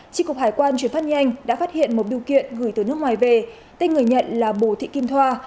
cục hải quan tp hà nội đã phát hiện một điều kiện gửi từ nước ngoài về tên người nhận là bồ thị kim thoa